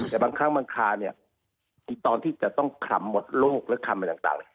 แต่บางครั้งบางคราเนี่ยตอนที่จะต้องคลำหมดโรคและคลำแบบต่าง